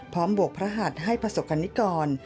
พร้อมบวกพระหัสให้พระศกัณฑิกร